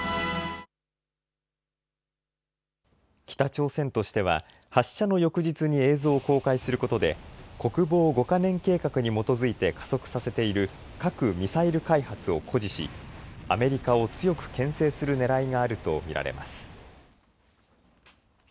北朝鮮としては発射の翌日に映像を公開することで国防５か年計画に基づいて加速させている核・ミサイル開発を誇示しアメリカを強くけん制するねらいがあると見られます。